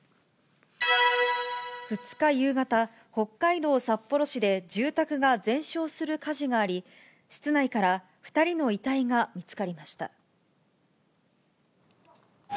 ２日夕方、北海道札幌市で、住宅が全焼する火事があり、室内から２人の遺体が見つかりました。